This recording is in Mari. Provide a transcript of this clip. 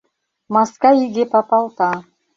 Маска иге папалта